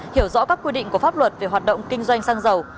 hiểu rõ các quy định của pháp luật về hoạt động kinh doanh xăng dầu